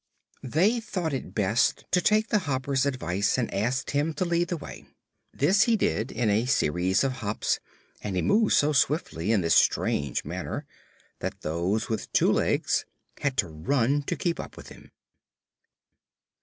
They thought it best to take the Hopper's advice, and asked him to lead the way. This he did in a series of hops, and he moved so swiftly in this strange manner that those with two legs had to run to keep up with him.